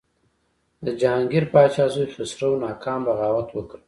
د جهانګیر پاچا زوی خسرو ناکام بغاوت وکړ.